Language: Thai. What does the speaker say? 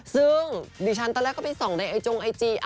ซึ่งดิฉันตอนแรกก็ไปส่องในไอจงไอจี